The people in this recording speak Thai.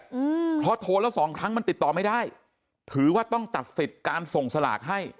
อืมเพราะโทรแล้วสองครั้งมันติดต่อไม่ได้ถือว่าต้องตัดสิทธิ์การส่งสลากให้